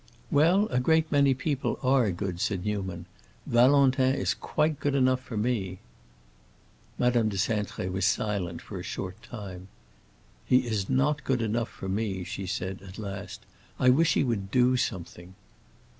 "Well, a great many people are good," said Newman. "Valentin is quite good enough for me." Madame de Cintré was silent for a short time. "He is not good enough for me," she said at last. "I wish he would do something."